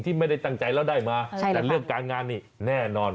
ก็เลยมีโอกาสว่าอาจจะได้ลาบมาแบบพลุกด้วยสำหรับราศีสิง